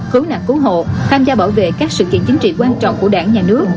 cứu nạn cứu hộ tham gia bảo vệ các sự kiện chính trị quan trọng của đảng nhà nước